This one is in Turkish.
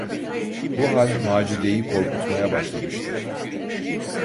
Bu hal Macide’yi korkutmaya başlamıştı.